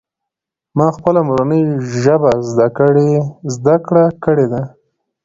ما پخپله مورنۍ ژبه زده کړه کړې ده.